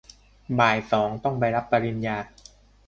บ่ายสองต้องไปรับปริญญา